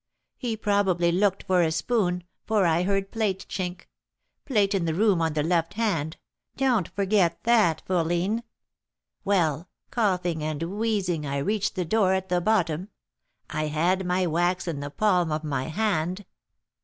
He probably looked for a spoon, for I heard plate chink, plate in the room on the left hand; don't forget that, fourline. Well, coughing and wheezing, I reached the door at the bottom, I had my wax in the palm of my hand.